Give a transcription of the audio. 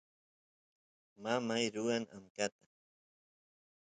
mamay ruwan amkata